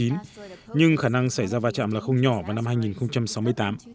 nhưng khả năng xảy ra va chạm là không nhỏ vào năm hai nghìn sáu mươi tám